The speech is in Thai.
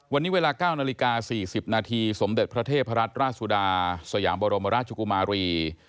วันนี้เวลา๙นาฬิกา๔๐นาทีสมเด็จพระเทพรัตนราชสุดาสยามบรมราชกุมารี